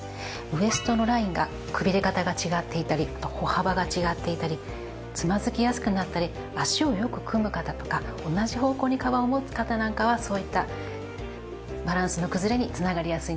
ウエストのラインがくびれ方が違っていたり歩幅が違っていたりつまずきやすくなったり脚をよく組む方とか同じ方向にかばんを持つ方なんかはそういったバランスの崩れにつながりやすいんですね。